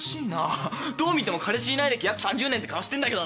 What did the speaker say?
どう見ても彼氏いない歴約３０年て顔してんだけどなぁ。